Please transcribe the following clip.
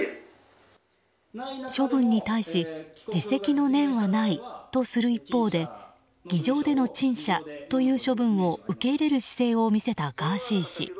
処分に対し自責の念はないとする一方で議場での陳謝という処分を受け入れる姿勢を見せたガーシー氏。